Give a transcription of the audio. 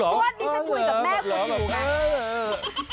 เพราะว่าดิฉันคุยกับแม่คุณอยู่ไง